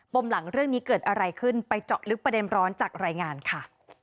มหลังเรื่องนี้เกิดอะไรขึ้นไปเจาะลึกประเด็นร้อนจากรายงานค่ะ